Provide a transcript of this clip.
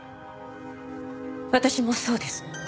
私もそうです。